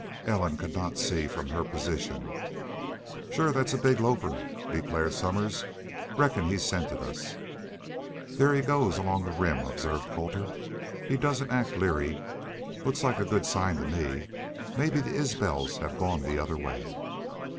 Ellen could not see from her position. "Shore thet's a big lofer," declared Somers. "Reckon he scented us." "There he goes along the Rim," observed Colter. "He doesn't act leary. Looks like a good sign to me. Mebbe the Isbels have gone the other way."